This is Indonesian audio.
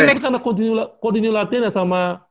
ini karena kontinu latihan ya sama